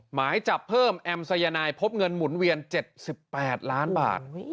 หมายจับเพิ่มแอมสายนายพบเงินหมุนเวียน๗๘ล้านบาท